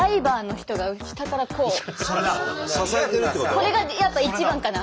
これがやっぱ一番かな。